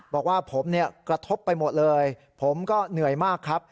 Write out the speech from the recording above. บอกว่าผมเนี่ยกระทบไปหมดเลยผมก็เหนื่อยมากครับ